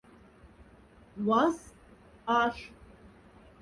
Вастт аш.